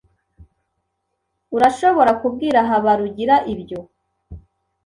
Urashobora kubwira Habarugira ibyo.